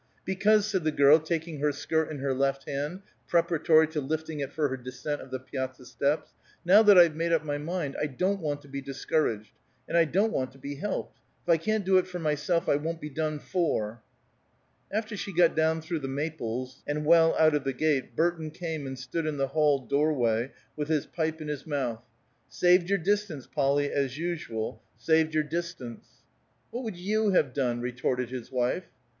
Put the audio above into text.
"Because," said the girl, taking her skirt in her left hand, preparatory to lifting it for her descent of the piazza steps, "now that I've made up my mind, I don't want to be discouraged, and I don't want to be helped. If I can't do for myself, I won't be done for." After she got down through the maples, and well out of the gate, Burton came and stood in the hall door way, with his pipe in his mouth. "Saved your distance, Polly, as usual; saved your distance." "What would you have done?" retorted his wife.